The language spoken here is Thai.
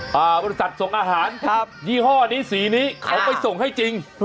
บริษัทส่งอาหารครับยี่ห้อนี้สีนี้เขาไปส่งให้จริง